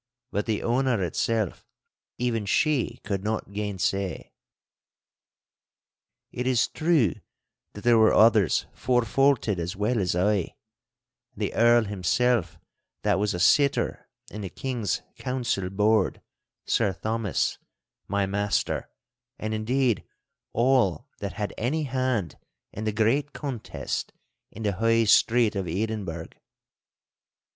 But the honour itself even she could not gainsay. It is true that there were others forfaulted as well as I—the Earl himself that was a sitter in the King's council board, Sir Thomas, my master, and, indeed, all that had any hand in the great contest in the High Street of Edinburgh.